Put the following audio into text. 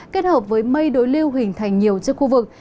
kết hợp với mây đối lưu hình thành nhiều trên khu vực